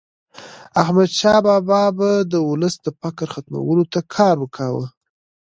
احمدشاه بابا به د ولس د فقر ختمولو ته کار کاوه.